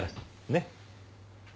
ねっ？